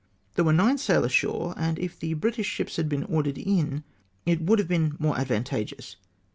There were nine sail ashore, and if the British ships had been ordered in, it would have been more advantageous.